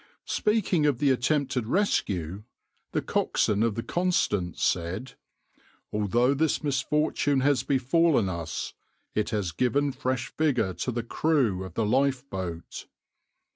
\par Speaking of the attempted rescue, the coxswain of the {\itshape{Constance}} said: "Although this misfortune has befallen us, it has given fresh vigour to the crew of the lifeboat.